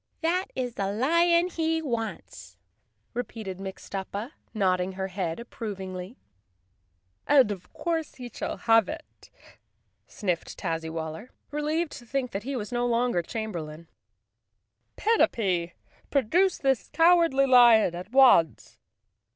"That is the lion he wants!" repeated Mixtuppa, nod¬ ding her head approvingly. 25 The Cowardly Lion of Oz "And of course he shall have it," sniffed Tazzywal ler, relieved to think he was no longer chamberlain. "Panapee, produce this Cowardly Lion. At once!"